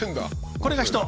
これが人。